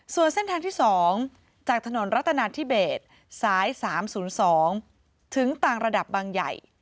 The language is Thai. ส่วนเส้นทางที่๒จากถนนรัฐนาธิเบสสาย๓๐๒ถึงต่างระดับบางใหญ่